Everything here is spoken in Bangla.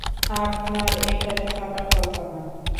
আপনার এখানে থাকার কথা না।